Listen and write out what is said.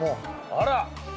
あら！